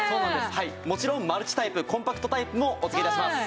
もちろんマルチタイプコンパクトタイプもお付け致します。